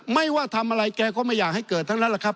ไม่ว่าทำอะไรแกก็ไม่อยากให้เกิดทั้งนั้นแหละครับ